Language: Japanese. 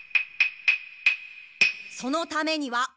そのためには。